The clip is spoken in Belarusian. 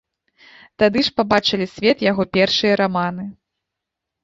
Тады ж пабачылі свет яго першыя раманы.